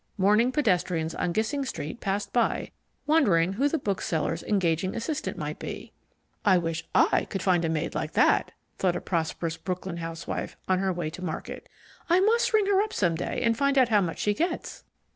Morning pedestrians on Gissing Street passed by, wondering who the bookseller's engaging assistant might be. "I wish I could find a maid like that," thought a prosperous Brooklyn housewife on her way to market. "I must ring her up some day and find out how much she gets."